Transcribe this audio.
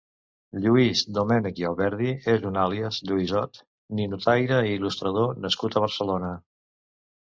Lluís Domènech i Alberdi és un alias "Llüisot", ninotaire i il·lustrador nascut a Barcelona.